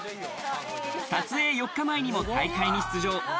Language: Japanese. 撮影４日前にも大会に出場。